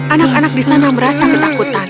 anak anak di sana merasa ketakutan